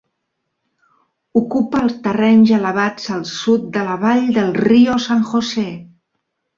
Ocupa uns terrenys elevats al sud de la vall del Rio San Jose.